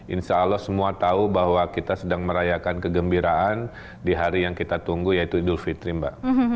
insya allah semua tahu bahwa kita sedang merayakan kegembiraan di hari yang kita tunggu yaitu idul fitri mbak